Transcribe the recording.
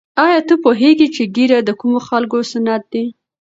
آیا ته پوهېږې چې ږیره د کومو خلکو سنت دی؟